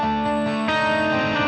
jangan lupa like